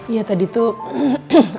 iya tadi tuh